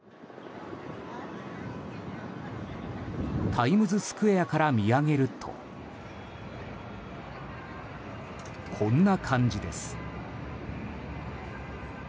タイムズスクエアから見上げるとこんな感じです。